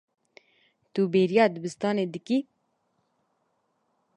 Tu bêriya dibistanê dikî.